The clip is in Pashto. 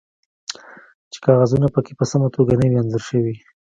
چې کاغذونه پکې په سمه توګه نه وي انځور شوي